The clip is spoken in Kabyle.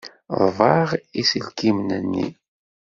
Ḍebɛeɣ iselkinen-nni.